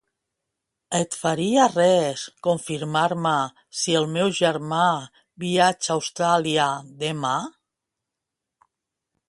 Et faria res confirmar-me si el meu germà viatja a Austràlia demà?